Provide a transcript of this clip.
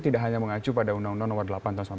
tidak hanya mengacu pada undang undang nomor delapan